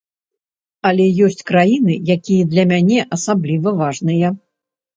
Але ёсць краіны, якія для мяне асабліва важныя.